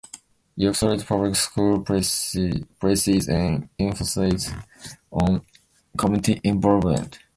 York Street Public School places an emphasis on community involvement.